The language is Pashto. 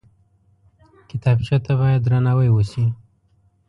کتابچه ته باید درناوی وشي